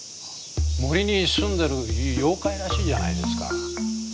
森に住んでる妖怪らしいじゃないですか。